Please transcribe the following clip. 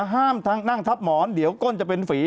ห้ามนั่งทับหมอนเดี๋ยวก้นจะเป็นฝี